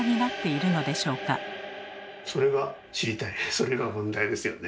それが問題ですよね。